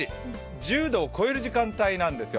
１０度を超える時間帯なんですよ。